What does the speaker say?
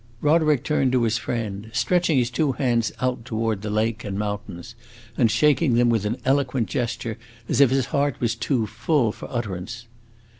Roderick turned to his friend, stretching his two hands out toward the lake and mountains, and shaking them with an eloquent gesture, as if his heart was too full for utterance.